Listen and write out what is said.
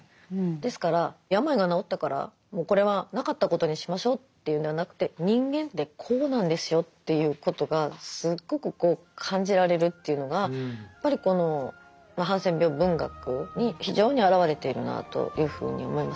ですから「病が治ったからもうこれはなかったことにしましょう」というんではなくて「人間ってこうなんですよ」っていうことがすっごく感じられるというのがやっぱりこのハンセン病文学に非常にあらわれているなというふうに思います。